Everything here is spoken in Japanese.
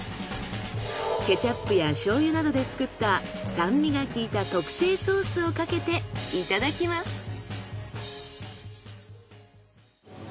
ケチャップや醤油などで作った酸味が効いた特製ソースをかけていただきます。